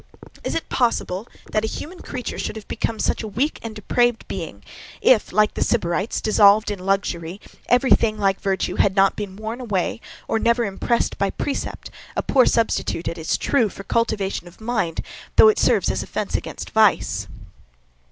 Is it possible that a human creature should have become such a weak and depraved being, if, like the Sybarites, dissolved in luxury, every thing like virtue had not been worn away, or never impressed by precept, a poor substitute it is true, for cultivation of mind, though it serves as a fence against vice?